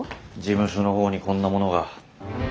事務所の方にこんなものが。